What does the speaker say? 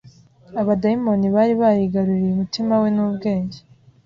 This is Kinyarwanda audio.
abadayimoni bari barigaruriye umutima we n'ubwenge.